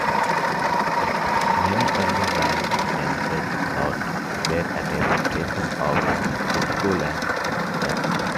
Many early line dances, though, were adaptations of disco line dances.